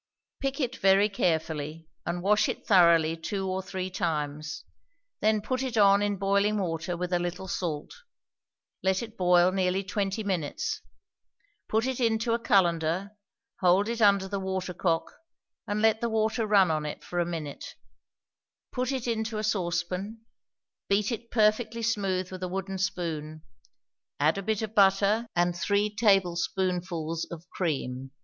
Pick it very carefully, and wash it thoroughly two or three times; then put it on in boiling water with a little salt; let it boil nearly twenty minutes. Put it into a cullender; hold it under the watercock, and let the water run on it for a minute. Put it into a saucepan; beat it perfectly smooth with a wooden spoon; add a bit of butter, and three tablespoonfuls of cream.